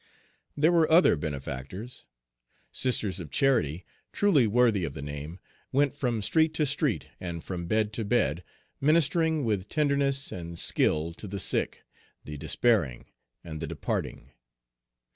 There were other benefactors. Sisters of Charity, truly worthy of the name, went from street to street, and from bed to bed, ministering with tenderness and skill to the sick, the despairing, and the departing.